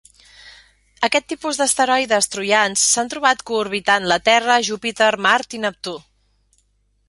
Aquest tipus d'asteroides troians s'han trobat coorbitant la Terra, Júpiter, Mart i Neptú.